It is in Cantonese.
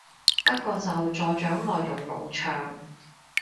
不過就助長內容農場